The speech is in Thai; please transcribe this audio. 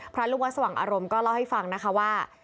พระรุงวัฒน์สว่างอารมณ์ก็เล่าให้ฟังนะคะว่า